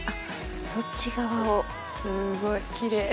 そっち側をすごいキレイ。